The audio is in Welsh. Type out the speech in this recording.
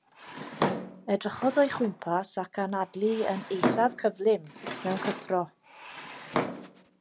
Edrychodd o'i chwmpas ac anadlu yn eithaf cyflym mewn cyffro.